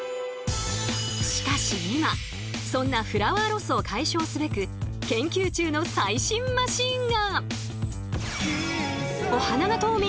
しかし今そんなフラワーロスを解消すべく研究中の最新マシンが。